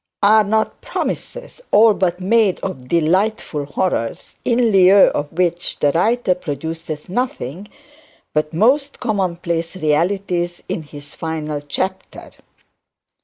Are not promises all but made of delightful horrors, in lieu of which the writer produces nothing but commonplace realities in his final chapter?